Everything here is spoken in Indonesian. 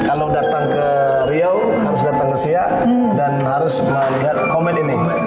kalau datang ke riau harus datang ke siak dan harus melihat komen ini